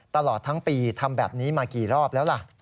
ตลอดทั้งปีทำแบบนี้มากี่รอบแล้วล่ะ